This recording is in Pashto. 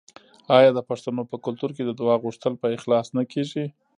آیا د پښتنو په کلتور کې د دعا غوښتل په اخلاص نه کیږي؟